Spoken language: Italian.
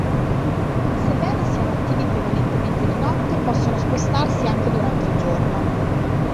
Sebbene siano attivi prevalentemente di notte, possono spostarsi anche durante il giorno.